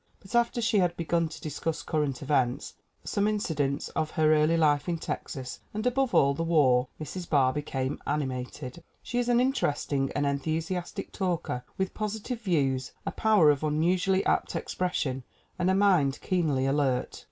But after she had begun to discuss current events, some incidents of her early life in Texas and above all the war Mrs. Barr became animated. She is an interesting and enthusi astic talker with positive views, a power of unusually apt expression and a mind keenly alert.